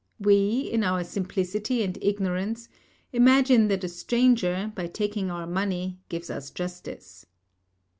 We, in our simplicity and ignorance, imagine that a stranger, by taking our money, gives us justice.